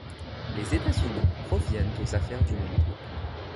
Les États-Unis reviennent aux affaires du monde.